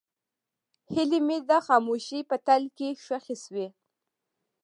هیلې مې د خاموشۍ په تل کې ښخې شوې.